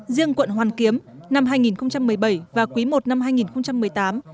riêng quận hoàn kiếm năm hai nghìn một mươi bảy và quý i năm hai nghìn một mươi tám